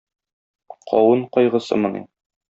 Кавын кайгысымыни?